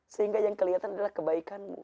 sehingga yang kelihatan adalah kebaikanmu